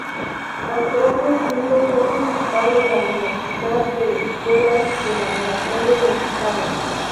Al propio tiempo fue principal de la Universidad de Escuelas de Laboratorio del Chicago.